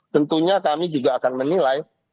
tentunya kami juga akan menilai